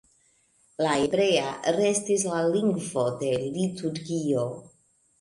La hebrea restis la lingvo de liturgio.